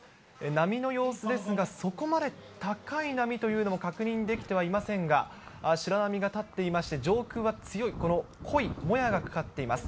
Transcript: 波の様子ですが、そこまで高い波というのも確認できてはいませんが、白波が立っていまして、上空は強い、この濃いもやがかかっています。